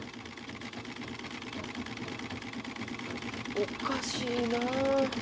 おかしいなあ。